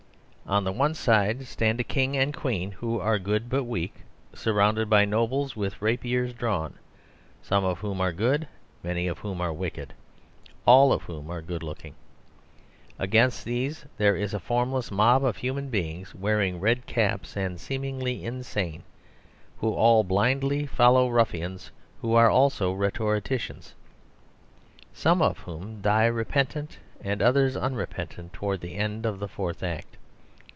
On the one side stand a king and queen who are good but weak, surrounded by nobles with rapiers drawn; some of whom are good, many of whom are wicked, all of whom are good looking. Against these there is a formless mob of human beings, wearing red caps and seemingly insane, who all blindly follow ruffians who are also rhetoricians; some of whom die repentant and others unrepentant towards the end of the fourth act.